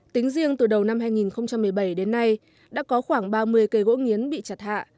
tính riêng từ đầu năm hai nghìn một mươi bảy đến nay đã có khoảng ba mươi cây gỗ nghiến bị chặt hạ